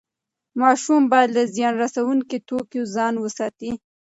ماشوم باید له زیان رسوونکي توکیو ځان وساتي.